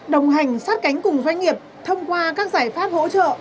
đồng hành sát cánh cùng doanh nghiệp thông qua các giải pháp hỗ trợ